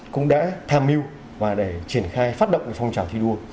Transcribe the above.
cũng đã tham mưu và để triển khai phát động phong trào thi đua